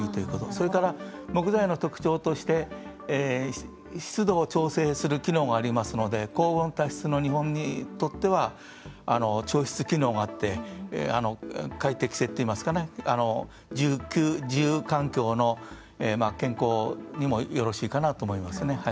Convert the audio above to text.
それから、木材の特徴として湿度を調整する機能がありますので高温多湿の日本にとっては調湿機能があって快適性っていいますか、住環境の健康にもよろしいかなと思いますね。